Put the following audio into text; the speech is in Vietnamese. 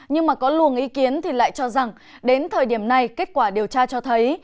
nhưng mà có luồng ý kiến thì lại cho rằng đến thời điểm này kết quả điều tra cho thấy